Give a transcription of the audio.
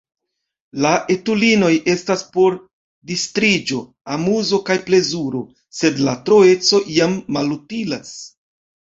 La etulinoj estas por distriĝo, amuzo kaj plezuro, sed la troeco jam malutilas!